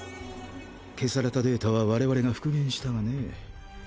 消されたデータは我々が復元したがね。